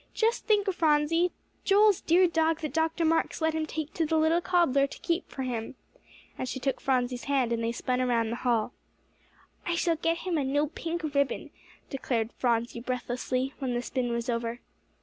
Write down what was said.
"Just think, Phronsie, Joel's dear dog that Dr. Marks let him take to the little cobbler to keep for him!" And she took Phronsie's hand, and they spun around the hall. "I shall get him a new pink ribbon," declared Phronsie breathlessly, when the spin was over.